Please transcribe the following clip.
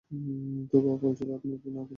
তো, বাবা বলেছিল আপনি নাকি দেবী এথেনা।